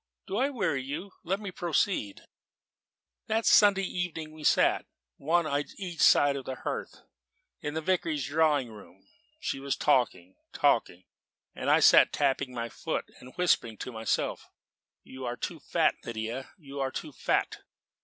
Do I weary you? Let me proceed: "That Sunday evening we sat, one on each side of the hearth, in the Vicarage drawing room. She was talking talking; and I sat tapping my foot and whispering to myself, 'You are too fat, Lydia, you are too fat.'